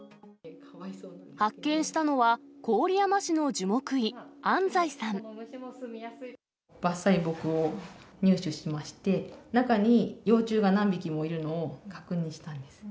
発見したのは、伐採木を入手しまして、中に幼虫が何匹もいるのを確認したんですね。